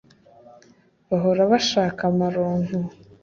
bahora bashaka amaronko